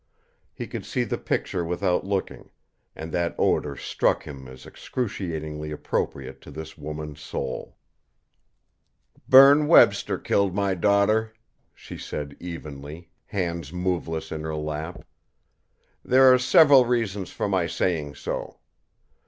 He could see the picture without looking and that odour struck him as excruciatingly appropriate to this woman's soul. "Berne Webster killed my daughter," she said evenly, hands moveless in her lap. "There are several reasons for my saying so.